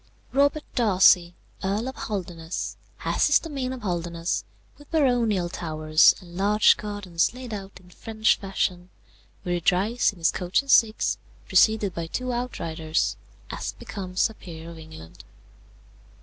"Robert Darcy, Earl of Holderness, has his domain of Holderness, with baronial towers, and large gardens laid out in French fashion, where he drives in his coach and six, preceded by two outriders, as becomes a peer of England.